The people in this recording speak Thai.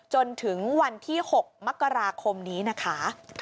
จนถึงวันที่๖มกราคมนี้นะคะ